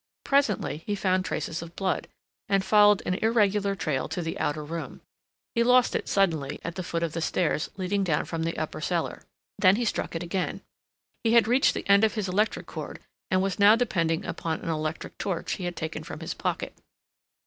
Presently he found traces of blood, and followed an irregular trail to the outer room. He lost it suddenly at the foot of stairs leading down from the upper cellar. Then he struck it again. He had reached the end of his electric cord and was now depending upon an electric torch he had taken from his pocket.